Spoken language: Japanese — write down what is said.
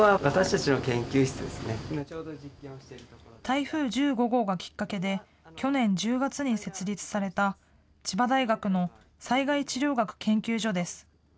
台風１５号がきっかけで、去年１０月に設立された千葉大学の災害治療学研究所です。